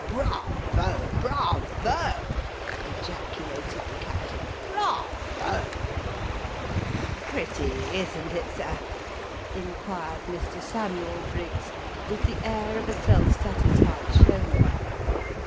" Bravo ! bravo !" ejaculated the captain ;" Bravo 1 "" Pretty I isn't it, sir ?" inquired Mr. Samuel Briggs, with the air of a self satisfied showman.